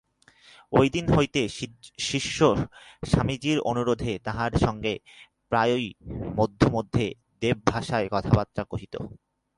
ঐদিন হইতে শিষ্য স্বামীজীর অনুরোধে তাঁহার সঙ্গে প্রায়ই মধ্যে মধ্যে দেবভাষায় কথাবার্তা কহিত।